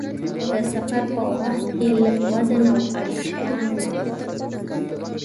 د سفر په وخت کې لږ وزن او اړین شیان واخلئ.